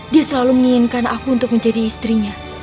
dia selalu menginginkan aku untuk menjadi istrinya